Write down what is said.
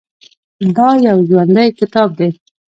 دا یو ژوندی کتاب دی.